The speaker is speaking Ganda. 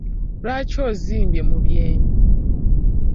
Lwaki onzimbye mu bwenyi?